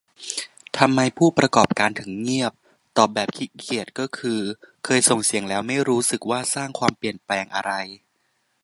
ทำไม "ผู้ประกอบการ" ถึงเงียบ ตอบแบบขี้เกียจก็คือ เคยส่งเสียงแล้วไม่รู้สึกว่าสร้างความเปลี่ยนแปลงอะไร